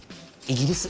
イギリス。